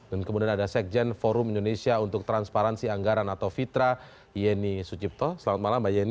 dan kemudian ada sekjen forum indonesia untuk transparansi anggaran atau fitra yeni sucipto selamat malam mbak yeni